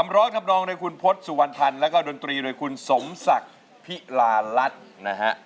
ร้องทำนองโดยคุณพศสุวรรณพันธ์แล้วก็ดนตรีโดยคุณสมศักดิ์พิลารัฐนะฮะ